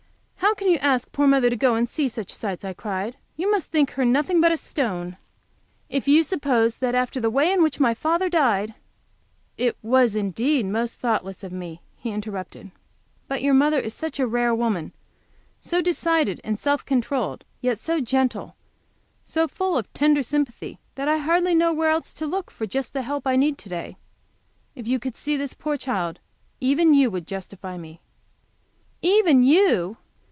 "How can you ask poor mother to go and see such sights?" I cried. "You must think her nothing but a stone, if you suppose that after the way in which my father died " "It was indeed most thoughtless in me," he interrupted; "but your mother is such a rare woman, so decided and self controlled, yet so gentle, so full of tender sympathy, that I hardly know where to look for just the help I need to day. If you could see this poor child, even you would justify me." "Even you!"